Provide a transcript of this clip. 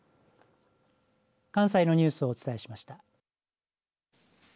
関西のニュースをお伝えしました。